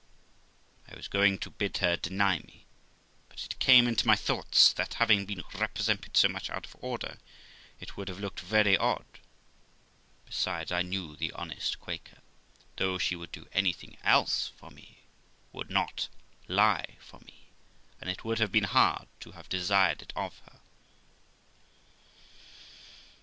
I was going to bid her deny me, but it came into my thoughts, that having been represented so much out of order, it would have looked very odd; besides, I knew the honest Quaker, though she would do anything else for me, would not lie for me, and it would have been hard to have desired it of her.